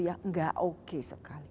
yang enggak oke sekali